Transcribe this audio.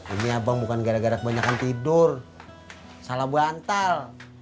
ini abang bukan gara gara kebanyakan tidur salah bantal